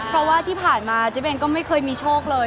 เพราะว่าที่ผ่านมาจิ๊บเองก็ไม่เคยมีโชคเลย